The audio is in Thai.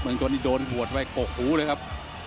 เหมือนคนที่โดนบวชไว้โปะหูเลยครับ